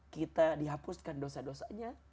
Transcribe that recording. kita dihapuskan dosa dosanya